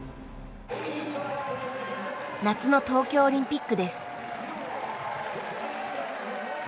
夏の東京オリンピックです。